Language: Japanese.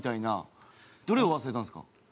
どれを忘れたんですか？